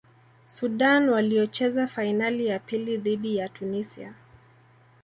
sudan waliocheza fainali ya pili dhidi ya tunisia